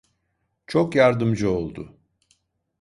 Çok yardımcı oldu.